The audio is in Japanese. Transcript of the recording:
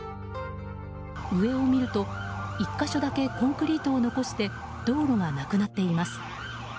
上を見ると、１か所だけコンクリートを残して道路がなくなっています。